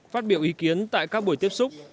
phát biểu ý kiến tại các buổi tiếp xúc